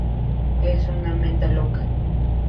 Es una meta loca".